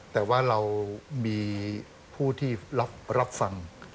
แต่ว่าเรามีผู้ที่รับฟัง